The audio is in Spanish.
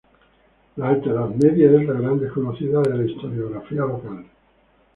La Alta Edad Media es la gran desconocida de la historiografía local.